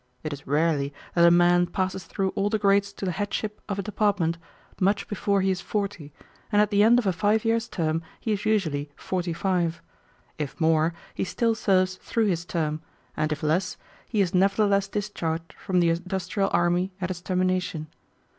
It is rarely that a man passes through all the grades to the headship of a department much before he is forty, and at the end of a five years' term he is usually forty five. If more, he still serves through his term, and if less, he is nevertheless discharged from the industrial army at its termination.